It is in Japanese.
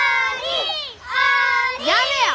やめや！